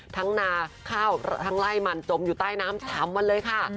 นาข้าวทั้งไล่มันจมอยู่ใต้น้ำ๓วันเลยค่ะ